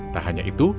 tak hanya itu